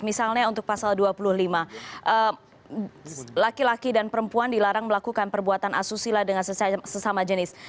misalnya untuk pasal dua puluh lima laki laki dan perempuan dilarang melakukan perbuatan asusila dengan sesama jenis